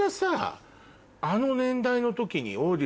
あの年代の時に。